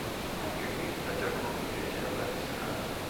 Anche qui la Jacobi fece da battistrada.